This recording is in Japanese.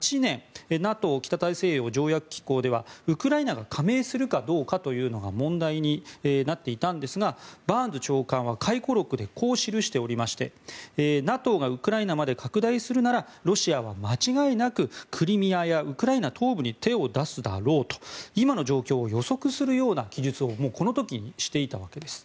ＮＡＴＯ・北大西洋条約機構ではウクライナが加盟するかどうかというのが問題になっていたんですがバーンズ長官は回顧録でこう記していましてＮＡＴＯがウクライナまで拡大するならロシアは間違いなくクリミアやウクライナ東部に手を出すだろうと今の状況を予測するような記述をもうこの時にしていたわけです。